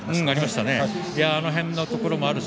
あの辺のところもあるし